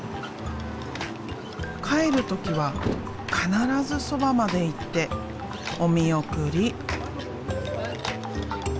帰る時は必ずそばまで行ってお見送り。